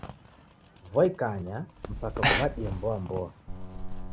Vua ikanya mpaka kuw'adie mboa-mboa.